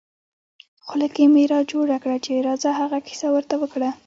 خوله کې مې را جوړه کړه چې راځه هغه کیسه ور ته وکړه.